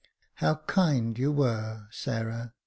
*' How kind you were, Sarah